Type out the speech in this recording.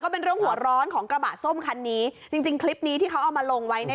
เป็นเรื่องหัวร้อนของกระบะส้มคันนี้จริงจริงคลิปนี้ที่เขาเอามาลงไว้เนี่ย